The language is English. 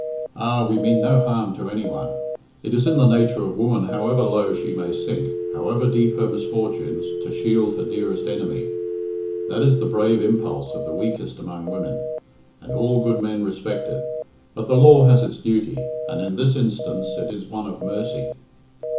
"Ah! we mean no harm to any one. It is in the nature of woman, however low she may sink, however deep her misfortunes, to shield her dearest enemy. That is the brave impulse of the weakest among women, and all good men respect it. But the law has its duty, and in this instance it is one of mercy."